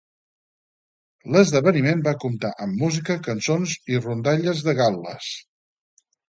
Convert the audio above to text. L'esdeveniment va comptar amb música, cançons i rondalles de Gal·les.